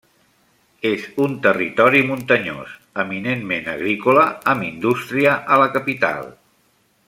És un territori muntanyós, eminentment agrícola, amb indústria a la capital.